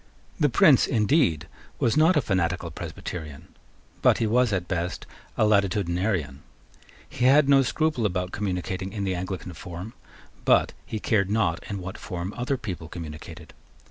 The Prince, indeed, was not a fanatical Presbyterian; but he was at best a Latitudinarian. He had no scruple about communicating in the Anglican form; but he cared not in what form other people communicated.